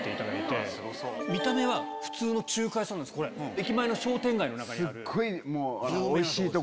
駅前の商店街の中にある。